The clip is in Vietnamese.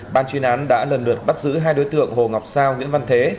ban chuyên án đã lần lượt bắt giữ hai đối tượng hồ ngọc sao nguyễn văn thế